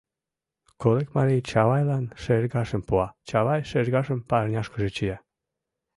Курыкмарий Чавайлан шергашым пуа, Чавай шергашым парняшкыже чия: